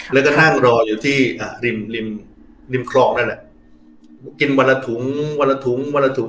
แล้วก็นั่งรออยู่ที่ริมริมริมคลองนั่นน่ะกินวันละถุงวันละถุงวันละถุง